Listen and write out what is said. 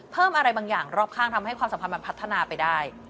เพิ่มอะไรบางอย่างรอบข้างทำให้ความสัมพันธ์มันพัฒนาไปได้